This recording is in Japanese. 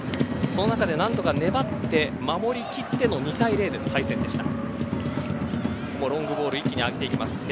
その中で何とか粘って守り切っての２対０での敗戦でした。